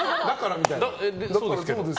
みたいなね。